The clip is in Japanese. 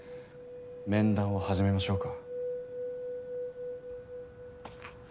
面談を始めましょうか。